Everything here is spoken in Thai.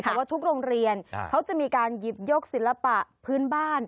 แต่ว่าทุกโรงเรียนเขาจะมีการหยิบยกศิลปะพื้นบ้าน